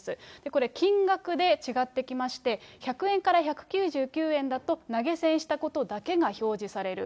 これ、金額で違ってきまして、１００円から１９９円だと投げ銭したことだけが表示される。